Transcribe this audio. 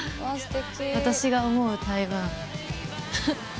私が思う台湾。